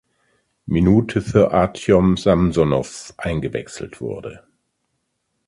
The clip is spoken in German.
Minute für Artjom Samsonow eingewechselt wurde.